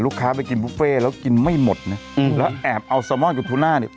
ลูกค้าไปกินบุฟเฟ่แล้วกินไม่หมดเนี่ยแล้วแอบเอาสมอนกับทุน่าเนี่ย